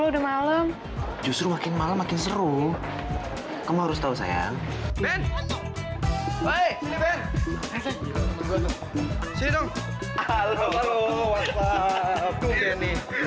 tiga puluh udah malem justru makin malem makin seru kamu harus tahu sayang ben ben ben ben ben